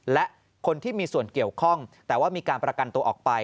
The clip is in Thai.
และคนที่มีส่วนเกี่ยวข้องแต่ว่ามีการประกันตัวออกไป